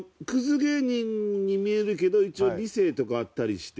芸人に見えるけど一応、理性とかあったりして。